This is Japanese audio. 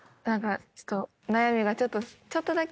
何かちょっと。